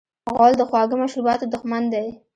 غول د خواږه مشروباتو دښمن دی.